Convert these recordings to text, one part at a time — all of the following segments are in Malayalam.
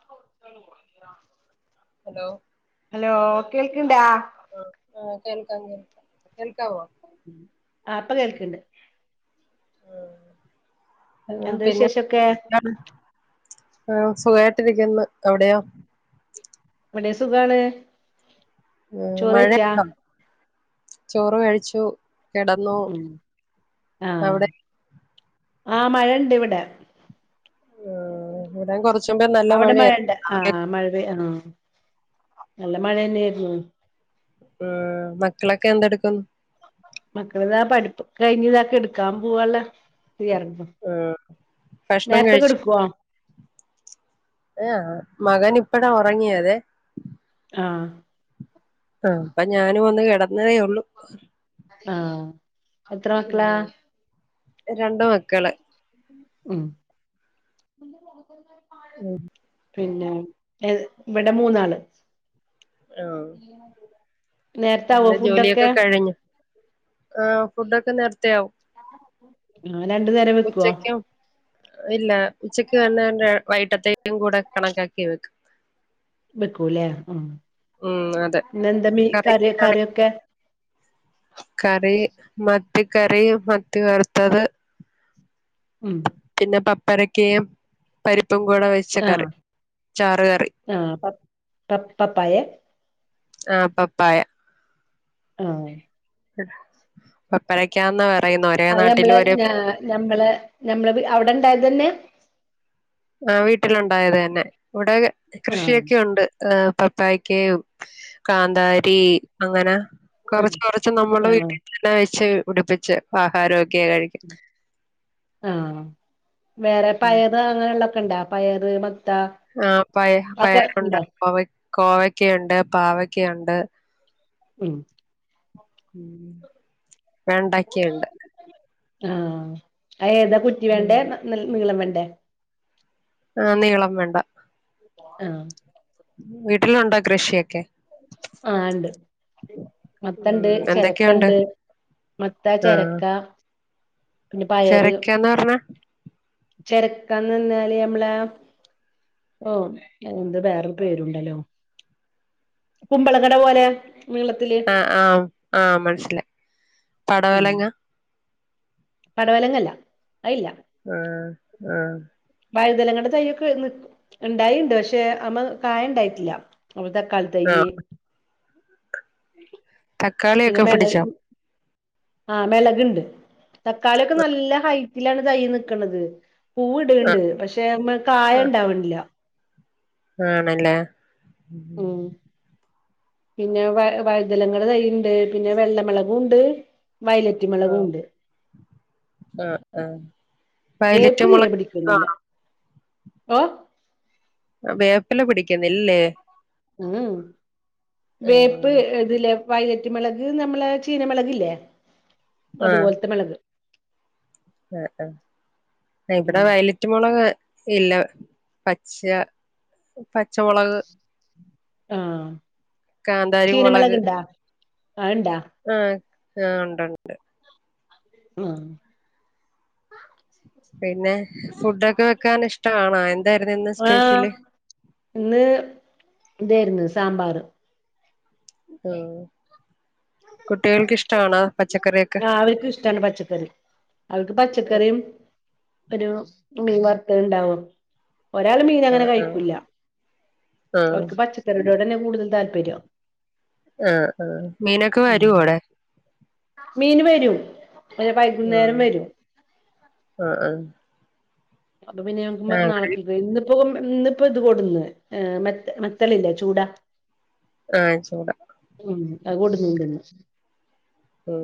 [unintelligible] ഹലോ ഹലോ കേൾക്ക്‌ണ്ടാ ആ ആഹ് കേൾക്ക കേ കേൾക്കാവോ ആ പ്പ കേൾക്കണ്ട് ഉം എന്താ പിന്നെ വിശേഷൊക്കെ ആ സുഖായിട്ടിരിക്കന്ന് അവിടെയാ ഇവിടെ സുഖാണ് ഉ ചോറെയ്ച്ചാ മഴണ്ട ചോറ് കഴിച്ചു കിടന്നു ഉം ആ അവിടെ ആ മഴണ്ട് ഇവിടെ ആഹ് ഇവിടേം കൊറച്ച് മുമ്പേ നല്ല അവിടെ മഴയായിരുന്നു മഴണ്ട ആ രാവിലെ മഴ പെയ്യ ആഹ് നല്ല മഴ തന്നെയായിരുന്നു ഉം മക്കളൊക്കെ എന്തെടുക്കും മക്കളിതാ പഠിപ്പ് കഴിഞ് ഇത കെടുക്കാൻ പോവല്ല [unintelligible] ആഹ് ഭക്ഷണം നേരത്തെെ കഴിച്ചു എടുക്കുവോ ആ മകൻ ഇപ്പടാ ഉറങ്ങിയതെ ആഹ് ആ അപ്പൊ ഞാനും ഒന്ന് കിടന്നതേ ഉള്ളൂ ആഹ് എത്ര മക്കളാ ഉം രണ്ട് മക്കള് ഉം ഉം പിന്നെ എ ഇവിടെ മൂന്നാള് ആഹ് നേരത്തെ ആവോ പിന്നെ ഫുഡ് ഒക്കെ ജോലിയൊക്കെ കഴിഞ്ഞു ആഹ് ഫുഡൊക്കെ നേരത്തെയാവും ആ രണ്ടു നേരം വെക്കോ ഉച്ചക്കും ഇല്ല ഉച്ചക്ക് വന്നാണ്ടെ വൈട്ടത്തേക്കും കൂടെ കണക്കാക്കി വെക്കും വെക്കൂല്ലേ ഉം ഉം അതെ പിന്നെന്താ മീ കറി കറിയൊക്കെ കറി മത്തി കറി മത്തി വർത്തത് ഉം പിന്നെ പപ്പരക്കയും പരിപ്പും കൂടെ വെച്ച ആഹ് കറി ചാറ് കറി ആഹ് പപ് പപ് പപ്പായെ ആഹ് പപ്പായ ആഹ് പപ്പഴക്കാന്ന് പറയുന്നെ ഒരേ നാട്ടിലും ഒര് നമ്മളെ നമ്മള് വി അവിടെണ്ടായതന്നെ ആ വീട്ടിലുണ്ടായത് തന്നെ ഇവിടെ ആഹ് കൃഷിയൊക്കെ ഉണ്ട് ഏഹ് പപ്പായക്കയും കാന്താരി അങ്ങനെ ആഹ് കൊറച്ച് കൊറച്ച് നമ്മുടെ ആഹ് വീട്ടിൽ തന്നെ വെച്ച് പിടിപ്പിച്ച് ആഹാരൊക്കെയായിക്കും ആഹ് വേറെ ഉം പയറ് അങ്ങനെള്ളൊക്കെണ്ടാ പയറ് മത്ത ആഹ് പയ ഒക്കെ പയറുണ്ട് ഇണ്ടോ കോവ കോവക്കയുണ്ട് പാവക്കയുണ്ട് ഉം വേണ്ടക്കെയുണ്ട് ആഹ് അ ഏതാ കുറ്റി ഉം വെണ്ടേ ന നീളം വെണ്ടേ ആഹ് നീളം വെണ്ട അ വീട്ടിലുണ്ടോ കൃഷിയൊക്കെ ആഹ് ഇണ്ട് മത്തണ്ട് ഉം എന്തൊക്കെയുണ്ട് ചെരക്കണ്ട് മത്ത ആഹ് ചെരക്ക പിന്നെ ചെരക്കാന്ന് അർനാ ചെരക്കാന്നർഞ്ഞാല് നമ്മളെ ഓ എന്ത് വേറൊരു പേരുണ്ടല്ലോ കുമ്പളങ്ങട പോലെ നീള ആ ആഹ ആഹ മനസിലേ ഉം പടവലങ്ങ പടവലങ്ങല്ല അയില്ല ഉം ഉം വായുതലങ്ങളുടെ തൈ്യൊക്കെ നി ഇണ്ടായിണ്ട് പക്ഷെ അമ്മ കായ ഇണ്ടായിട്ടില്ല അവിടുത്തെ കളി തെയ്യ് ആഹ് തക്കാളി ഒക്കെ പിടിച്ചോ ആഹ് മെളക്ണ്ട് തക്കാളിയൊക്കെ നല്ല ഹൈറ്റിലാണ് തൈ നിക്ക്ണത് പൂവ്ട്ണ്ട് ആഹ് പക്ഷെ അയ്മ്മെ കായ ആഹ് ഇണ്ടാവ്ണില്ല ആണല്ലേ ഉം പിന്നെ വ വഴ്തലങ്ങളെ തൈയുണ്ട് പിന്നെ വെള്ളമെളകും ഉണ്ട് വയല ആഹ് മെളകുണ്ട് ആഹ് ആഹ് വയലറ്റ് വേപ്പ് തീരെ മുളക് പിടിക്കുന്നില്ല ഒ വേപ്പില പിടിക്കുന്നില്ലേ വേപ്പ് ആഹ് എതലെ വയ്ലറ്റ് മെളക് നമ്മളെ ചീന മെളക്ല്ലേ അതുപോലത്തെ മെളക് ആ ആ ഇവിടെ ഉം വയല പച്ചമൊളക് ഇല്ല പച്ച പച്ചമൊളക് ആഹ് കാന്താരി ചീനമേളക്ണ്ടാ അത് ഇണ്ടാ ആ ആ ഉണ്ടണ്ട് ആഹ പിന്നെ ഫുഡൊക്കെ വെക്കാൻ ഇഷ്ടമാണോ എന്തായിരുന്നു ഇന്ന് ആഹ് സ്പെഷ്യല്ി ഇന്ന് ഇതായിരുന്നു സാമ്പാർ ആ കുട്ടികൾക്ക്ിഷ്ടണ പച്ചക്കറിയൊക്കെ ആ അവർക്ക് ഇഷ്ടമാണ് പച്ചക്കറി അവർക്ക് പച്ചക്കറിയും ഒരു മീൻ വർത്ത ഉണ്ടാവും ഒരാള് മീനങ്ങനെ ആഹ് ആഹ് കഴിക്കുല്ല ആഹ് ഓര്ക്ക് പച്ചക്കറിയ്യോടെന്നെ കൂടുതല് താല്പര്യം ആഹ് ആഹ് മീനൊക്കെ ഉം വരോ അവ്ടെ? മീന് വരും ഒര് വൈകുന്നേരം വരും ആഹ് ആഹ് അപ്പൊ പിന്നെ ആഹ് നമ്മക്ക് ആഹ് ഇവിടെ നാളെക്ക് ഇന്നിപ്പൊ ഇന്നിപ്പൊ ഇത് കൊടന്ന് ഏഹ് മറ്റേ മ ളില്ലെ ചൂട ആഹ് ചൂട ഉം അത് കൊണ്ടുന്നേക്കുന്ന് ഉം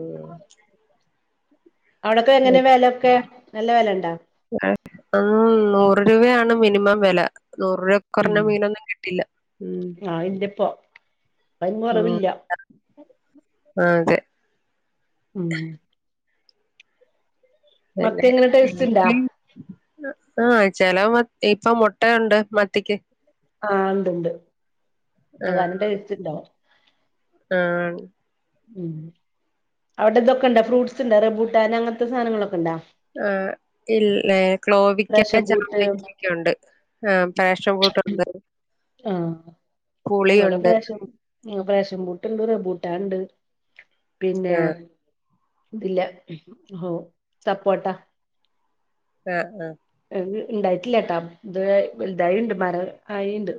അവിടൊക്കെ എങ്ങനാ വെലൊക്കെ നല്ല വെലണ്ടോ ആഹ് നൂറ് രൂപയാണ് മിനിമം വെല നൂറ് രൂപെ കൊറഞ്ഞ മീനൊന്നും കിട്ടില്ല ഉം ആഹ് അയിന്റപ്പൊ അയും ഉം കൊറവില്ല ആഹ് അതെ ഉം മത്തി അതന്നെ എങ്ങനെ ടേസ്റ്റ് ഇണ്ടാ [unintelligible] ആഹ് ചെല മത് ഇപ്പൊ മൊട്ടയൊണ്ട് മത്തിക്ക് ആ ഇണ്ട് ഇണ്ട് [unintelligible] അഹ് ആൺ ഉം അവിടിതൊക്കെണ്ടൊ ഫ്രൂട്ട്സ്ണ്ടൊ റെംബൂട്ടാന് അങ്ങനത്തെ സാനങ്ങളൊക്കെണ്ടോ? ആഹ് ഇല്ലേ ക്ലോവിക്ക പാഷൻ ബൂട്ട് ചാമ്പയ്ക്കൊക്കെയുണ്ട് ആഹ് പാഷൻ ഫ്രൂട്ടുണ്ട് ആഹ് പുളിയുണ്ട് [unintelligible] ആ പ്രേഷൻഫ്രൂട്ട്ണ്ട് റംബൂട്ടാണ്ട് പിന്നെ ആഹ് ഇല്ല ഹൊ സപ്പോട്ട ആഹ് ആഹ് ഇത് ഇണ്ടായിട്ടില്ലാട്ടോ ഇത് വല്തായിണ്ട് മരം ആയിണ്ട്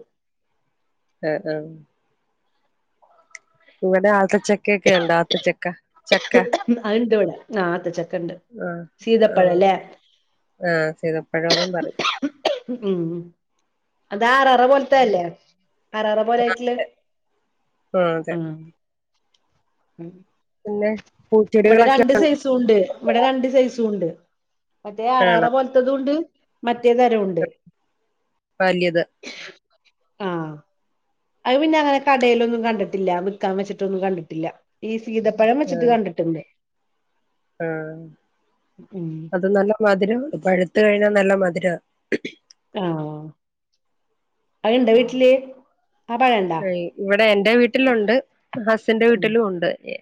ആഹ് ആഹ് ഇവിടെ ആത്തച്ചക്കയൊക്കെയുണ്ട് ആത്തച്ചക്ക ചക്ക ഉം അത്ണ്ട്വ്ടെ ആഹ് ആത്തച്ചക്കണ്ട് ആഹ് ആഹ് ആഹ് സീതപ്പഴോന്നും പറിം ഉം അതാറാറ പോലത്തെല്ലേ അരാറ പെരേക്ക് ഇല്ലെഹ് ആഹ് ഉം പിന്നെ ഇവിടെ പൂച്ചെടികളൊക്കെ രണ്ട് സൈസും ഉണ്ട് ഇവിടെ രണ്ട് സൈസുണ്ട് മറ്റേ അറാറ ആണോ പോല് ത്തേതുണ്ട് മറ്റേ തരോം ഉണ്ട് വലിയത് ആഹ് അത് പിന്നെ അങ്ങനെ കടേലൊന്നും കണ്ട്ട്ട്ല്ല വിക്കാൻ വെച്ചിട്ടൊന്നും കണ്ട്ട്ട്ല്ല ഈ സീതപ്പഴം വെച്ചിട്ട് ആഹ് കണ്ടിട്ട്ണ്ട് ആഹ് ഉം അത് നല്ല മധുരം പഴുത്ത് കഴിഞ്ഞാ നല്ല മധുരാ ആഹ് അയിണ്ടൊ വീട്ടില് ആ പഴണ്ടാ ഇവടെ എന്റെ വീട്ടിലുണ്ട് ഹസിന്റെ ഉം വീട്ടിലും ഉണ്ട് എ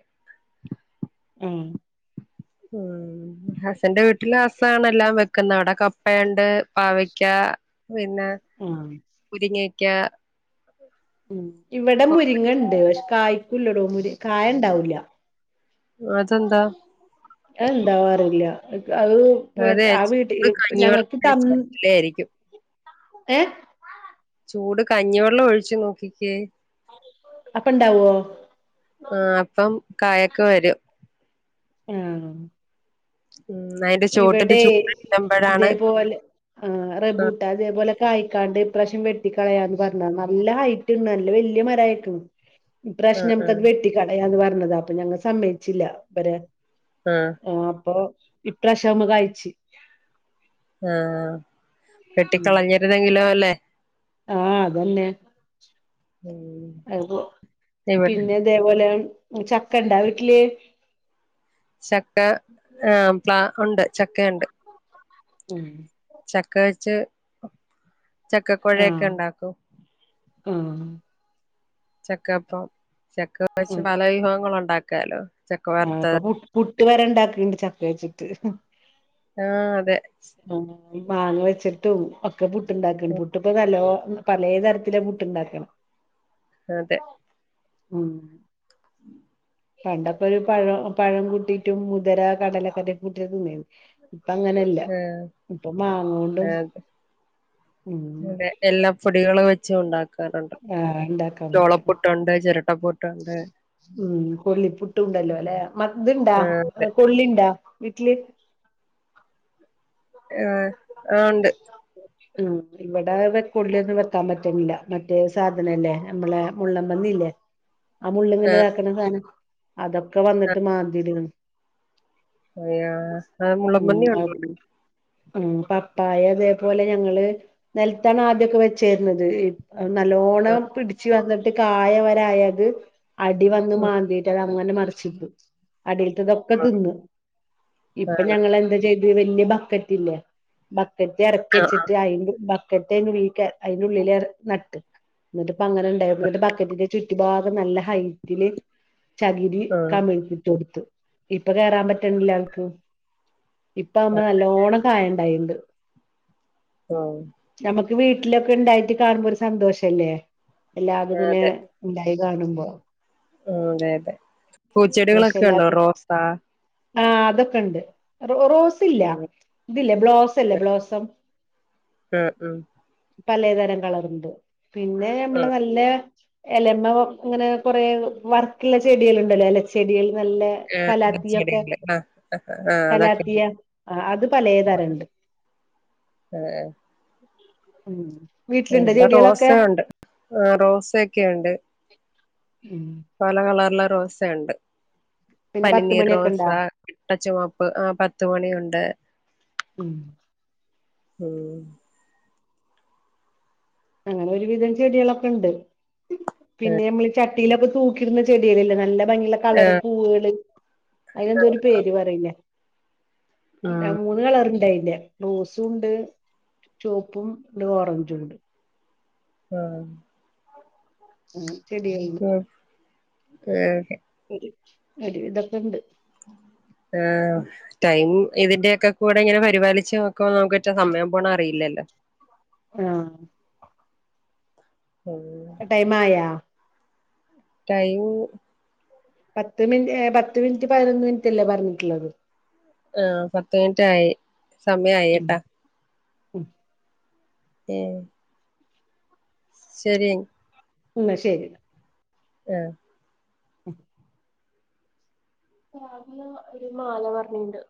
ആഹ് ആഹ് ഹസിന്റെ വീട്ടില് ഹസ്സാണ് എല്ലാം വെക്ക്ന്നെ അവടെ കപ്പയൊണ്ട് പാവയ്ക്ക പിന്നാ ആഹ് മുരിങ്ങേക്ക്യാ ഉം ഇവിടെ കോവക്ക മുരിങ്ങണ്ട് പക്ഷെ കായ്ക്കൂല്ലടോ മുരി കായണ്ടാവൂല്ല അതെന്താ എന്താവോ അറീല്ല അത് വക് അതെ ആ വീട്ടിൽ ഞങ്ങക്കിപ്പന്ന് ലേരിക്കും ഏഹ് ചൂട് കഞ്ഞിവെള്ളം ഒഴിച്ചു നോക്കിക്കേ അപ്പ ഇണ്ടാവോ ആഹ് അപ്പം കായക്ക വരും. ആഹ് ഉം അയി ഇവിടെ ഇതേപോലെ ആഹ് ആ റബ്ബൂട്ടൻ അതേപോലെ കായിക്കാണ്ട് ഇപ്രാവശ്യം വെട്ടി കളയാന്ന് പറഞ്ഞ നല്ല ഹൈ നല്ല വല്ലിയ മരം ആയിക്ണ് [inaudible] ഇപ്രാവശ്യം ആ ഞമ്മക്കത് വെട്ടിക്കളയാന്ന് പറഞ്ഞതാ അപ്പ ഞങ്ങൾ സമ്മയിച്ചില്ല ഇവര് ആഹ് ആ അപ്പൊ ഇപ്രാശൃം ആവുമ്പൊ കയിച്ച് ആഹ് വെട്ടിക്കളഞ്ഞിരുന്നെങ്കിലോ അല്ലേ ആഹ് അതന്നെ. ഉമ് [unintelligible] പിന്നെ ഇതേപോല ചക്ക ഇണ്ടാ വീട്ടില് ചക്ക ആഹ് പ്ല ഉണ്ട് ചക്ക ഉണ്ട്. ഉം ചക്ക വച്ച് ചക്കക്കൊഴയൊക്കെ ഉണ്ടാക്കും ആഹ് ചക്കപ്പം ചക്ക ആ വെച്ച് പല വിഭവങ്ങൾ ഉണ്ടാക്കാലോ ചക്ക ആ ഇപ്പൊ വറുത്തത് പു പുട്ട് വരെ ഉണ്ടാക്കും ചെരട്ട വച്ചിട്ട് ആഹ് അതെ ആ മാങ്ങ വെച്ചിട്ടും ക്കെ പുട്ട്ണ്ടാക്കണ് പുട്ട് ഇപ്പൊ നലോ പലേ തരത്തില പുട്ട്ണ്ടാക്കണ് അതെ ഉമ് [inaudible] പണ്ടപ്പോ ഒരു പഴം പഴം കൂട്ടിട്ടും മുതിര, കടലൊക്കെ, കൂട്ടിട്ട് തിന്നിന് ഇപ്പ അങ്ങനെല്ല അതെ ഇപ്പൊ മാങ്ങ കൊണ്ടും പൊടികൾ വെച്ച് ഉണ്ടാക്കാറുണ്ട് ആഹ് ഉണ്ടാക്കാൻ പറ്റും ചോളപ്പുട്ടുണ്ട്, ചിരട്ടപ്പുട്ട് ഉം കൊള്ളി പുട്ടും ഉണ്ടല്ലോ അല്ലെ ഉം ഇതുണ്ടാ ആഹ് അതെ കൊള്ളിണ്ടാ വീട്ടില് ആഹ് ആഹ് ഉണ്ട്. ഉം ഇവിടെ കൊള്ളിയൊന്നും വെക്കാൻ പറ്റുന്നില്ല മറ്റേ സാധനമില്ലേ നമ്മളേ മുള്ളൻ പന്നി ല്ലേ ആ മുള്ളിങ്ങനെ ആഹ് ഇതാക്കണ സാധനം അതൊക്കെ വന്നിട്ട് മാന്തിടണം ആഹ് മുള്ളൻ ഉം പന്നി അത് [unintelligible] ഉം പപ്പായ അതേപോലെ ഞങ്ങള് നെലത്താണ് ആദ്യൊക്കെ വെച്ചെരുന്നത് നല്ലോണം പിടിച്ചു വന്നിട്ട് കായവരായത് അടി വന്ന് മാന്തിയിട്ട് അത് അങ്ങനെ മറിച്ചിട്ടു. അടിൽത്തത് ക്കെ ആഹ് തിന്ന് ഇപ്പൊ ആണോ ഞങ്ങ എന്താ ചെയ്ത് വല്യ ബക്കറ്റി ല്ലേ ബക്കറ്റ് ഇറക്കി ആഹ് വെച്ചിട്ട് അതി ബക്കറ്റ് അതിന്റെ ഉള്ളിൽ നട്ട് എന്നിട്ടിപ്പ അങ്ങനെ ഉണ്ടായി നമ്മളൊരു ബക്കറ്റിന്റെ ചുറ്റി ഭാഗം നല്ല ഹൈറ്റില് ചകിരി കമിഴ്ത്തിട്ടുകൊടുത്ത് ഇപ്പൊ കേറാൻ പറ്റണില്ല അവർക്ക് ഇപ്പ ആവുമ്പം ആഹ് നല്ലോണം കായുണ്ടായിണ്ട് ആഹ് നമുക്ക് വീട്ടിലൊക്കെ ഉണ്ടായിട്ട് കാണുമ്പോ ഒരു സന്തോഷല്ലേ അതെ [unintelligible] ഉണ്ടായി കാണുമ്പോ ഉം അതെ അതെ പൂച്ചെടികളൊക്കെ ഉണ്ടോ റോസ് ആഹ് അതൊക്കെ ഉണ്ട് റോസ് ഇല്ല ഉം ഇതില്ലേ ബ്ലോസല്ലേ ബ്ലോസം ആഹ് ഉം പലേതരം കളറുണ്ട് പിന്നെ നമ്മള് ആഹ് നല്ലെ എലമ്മ അങ്ങനെ കൊറെ വർക്കുള്ള ചെടികൾ ഉണ്ടല്ലോ എല ചെടിയിൽ നല്ല ആഹ് കലാത്തിയൊക്കെ ചെടികള് ആഹ് ആഹ് അതൊക്കെ കലാത്തിയ ആഹ് അത് പലേ തരം ഇണ്ട് ഇവിടെ റോസ് ഉണ്ട് ആ റോസ് ഒക്കെയുണ്ട് ഉം പല കളറില റോസയുണ്ട് പിന്നെ പത്ത് പനിനീർ മണിയൊക്കെ റോസ ഇണ്ടാ മുട്ടച്ചുവപ്പ് ആ പത്തുമണിയുണ്ട് മ്മ് ഉം അങ്ങനെ ഒരുവിധം ചെടികളൊക്കെ ഉണ്ട് ആ പിന്നെ നമ്മള് ച ഭിത്തിയിലൊക്കെ തൂക്കിടുന്ന ചെടയിലല്ലേ നല്ല ഭയങ്കര ആ കളറ് പൂവുകള് അതിനെന്തോ ഒരു പേര് പറയില്ലേ പി ആ മൂ കളറണ്ടായില്ല റോസും ഉണ്ട് ചുവപ്പും ഓറഞ്ചും ഉണ്ട് ആഹ് ഉം ശരിയായില്ല ഉം, ഏഹ് ക്കെ ഒരു ഒരു വിധൊക്കെ ഉണ്ട് ആഹ് ടൈം ഇതിന്റെ ഒക്കെ കൂടെ ഇങ്ങനെ പരിപാലിച്ച് നോക്കോ നമുക്ക്‌ സമയം പോണം അറിയില്ലല്ലോ ആഹ് ഉം ടൈം ആയ ടൈം പത്ത് മിനിറ്റ് പത്ത് മിനിറ്റ് പതിനൊന്ന് മിനിറ്റ് അല്ലേ പറഞ്ഞിട്ടുള്ളത്. ആഹ് പത്ത് മിനിറ്റ് ആയി സമയായി ഉം കേട്ടാ ഉം ഏഹ് ശരി എന്ന ശരി ആഹ് മ്മ് രാവിലെ ഒരു മാലവർണയുണ്ട്